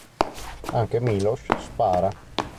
Anche Miloš spara.